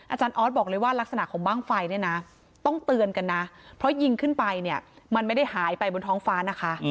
อาจารย์ออสบอกเลยว่ารักษณะของบ้างไฟเนี่ยนะต้องเตือนกันนะเพราะยิงขึ้นไปเนี่ยมันไม่ได้หายไปบนท้องฟ้านะคะ